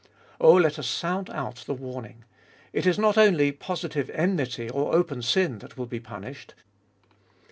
Oh, let us sound out the warn ing : it is not only positive enmity or open sin that will be punished.